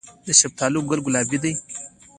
د شفتالو ګل ګلابي وي؟